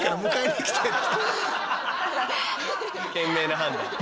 賢明な判断。